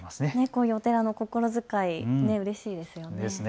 こういうお寺の心遣いうれしいですよね。